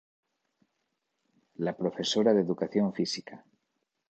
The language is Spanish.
La profesora de educación física.